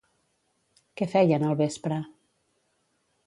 Què feien al vespre?